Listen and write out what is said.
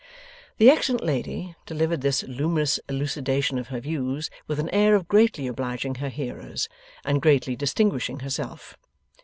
The excellent lady delivered this luminous elucidation of her views with an air of greatly obliging her hearers, and greatly distinguishing herself.